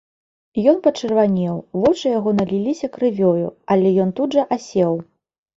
Ён пачырванеў, вочы яго наліліся крывёю, але ён тут жа асеў.